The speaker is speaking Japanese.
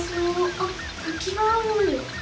あったきがある！